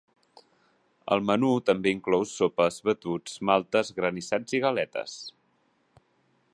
El menú també inclou sopes, batuts, maltes, granissats i galetes.